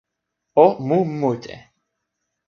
o mu mute.